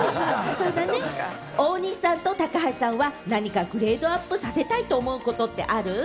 大西さんと高橋さんは何かグレードアップさせたいって思うことある？